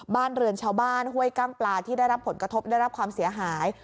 บ้านเรือนชาวบ้านห้วยกั้งปลาที่ได้รับผลกระทบได้รับความเสียหาย